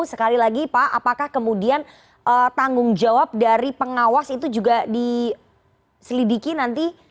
sekali lagi pak apakah kemudian tanggung jawab dari pengawas itu juga diselidiki nanti